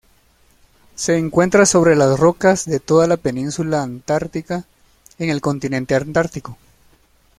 Se encuentra sobre las rocas de toda la península Antártica, en el continente antártico.